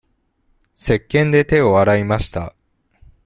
せっけんで手を洗いました。